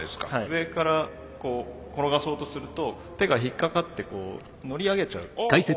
上から転がそうとすると手が引っ掛かって乗り上げちゃう。